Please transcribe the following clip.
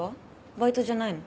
バイトじゃないの？